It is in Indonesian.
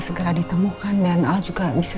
segera ditemukan dan al juga bisa